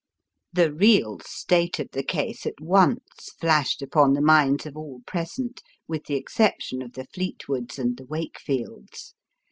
The real state of the case at once flashed upon the minds of all present, with the exception of the Fleetwoods and the Wakefields.